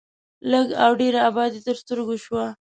لږ او ډېره ابادي تر سترګو شوه.